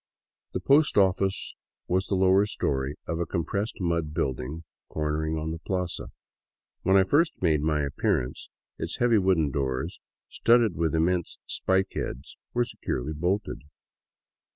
The post office was the lower story of a compressed mud building cornering on the plaza. When I first made my appearance, its heavy wooden doors, studded with im r mense spike heads, were securely bolted.